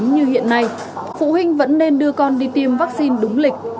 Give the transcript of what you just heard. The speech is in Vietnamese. như hiện nay phụ huynh vẫn nên đưa con đi tiêm vaccine đúng lịch